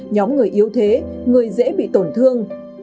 nhóm người yếu thế người dễ bị tổn thương